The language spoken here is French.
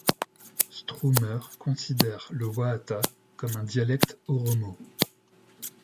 Stroomer considère le waata comme un dialecte oromo.